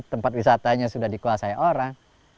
tempat wisatanya sudah dikuasai orang